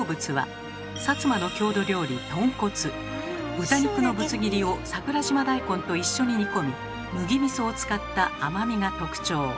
豚肉のぶつ切りを桜島大根と一緒に煮込み麦みそを使った甘みが特徴。